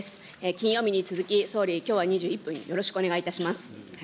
金曜日に続き、総理、きょうは２１分よろしくお願いいたします。